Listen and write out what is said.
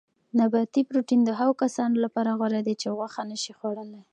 نباتي پروټین د هغو کسانو لپاره غوره دی چې غوښه نه شي خوړلای.